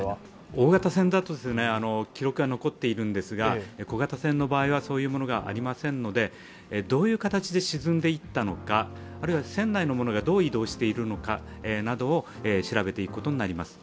大型船だと記録が残っているんですが、小型船の場合は、そういうものがありませんので、どういう形で沈んでいったのかあるいは船内のものがどう移動しているかなどを調べていくことになります。